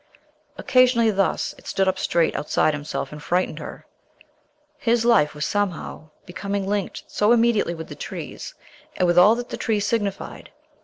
Occasionally, thus, it stood up straight outside himself and frightened her. His life was somehow becoming linked so intimately with trees, and with all that trees signified.